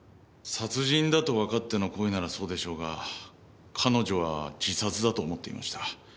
殺人だとわかっての行為ならそうでしょうが彼女は自殺だと思っていました。